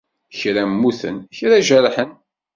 Kra mmuten, kra jerḥen.